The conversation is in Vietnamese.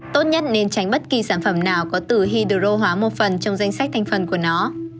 tốt nhất nên tránh bất kỳ sản phẩm nào có từ hydro hóa một phần trong danh sách thành phần của nó